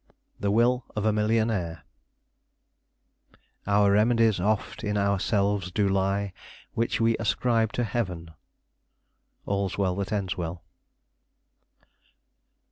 THE WILL OF A MILLIONAIRE "Our remedies oft in ourselves do lie, Which we ascribe to Heaven." All's Well that Ends Well.